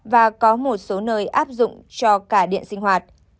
và có một số nơi áp dụng cho cả điện sinh hoạt